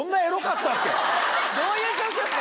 どういう状況ですか？